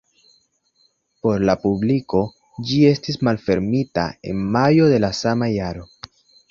Por la publiko ĝi estis malfermita en majo de la sama jaro.